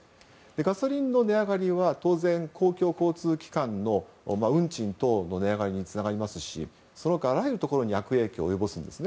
ガソリンの値上がりは当然公共交通機関の運賃等の値上がりにつながりますしその他、あらゆるところに悪影響を及ぼすんです。